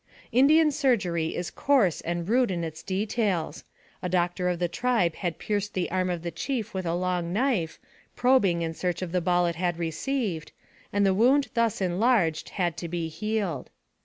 Indian surgery is coarse and rude in its details. A doctor of the tribe had pierced the arm of the chief with a long knife, probing in search of the ball it had received, and the wound thus enlarged had to be healed.